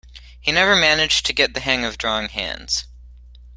He never managed to get the hang of drawing hands.